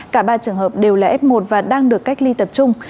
cả ba trường hợp đều là f một và đang được cách ly tập trung